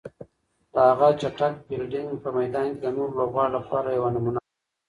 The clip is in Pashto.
د هغه چټک فیلډینګ په میدان کې د نورو لوبغاړو لپاره یوه نمونه ده.